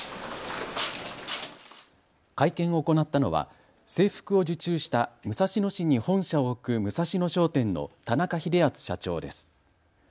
会見を行ったのは制服を受注した武蔵野市に本社を置くムサシノ商店の田中秀篤社長です。